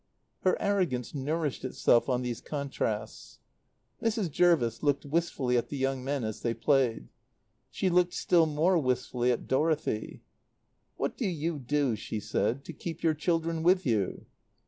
Her arrogance nourished itself on these contrasts. Mrs. Jervis looked wistfully at the young men as they played. She looked still more wistfully at Dorothy. "What do you do," she said, "to keep your children with you?"